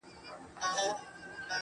دا ده کوچي ځوانيمرگې نجلۍ تول دی~